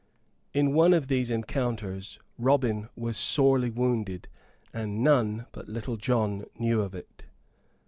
In one of these encounters Robin was sorely wounded; and none but Little John knew of it.